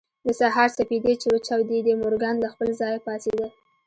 د سهار سپېدې چې وچاودېدې مورګان له خپل ځايه پاڅېد.